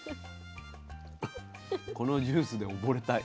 このジュースで溺れたい。